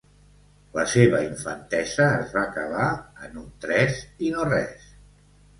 La seva infantesa es va acabar en un tres i no res.